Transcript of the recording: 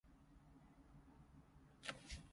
佢根本唔適合喺呢行到做